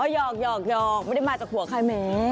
หยอกไม่ได้มาจากหัวใครแม้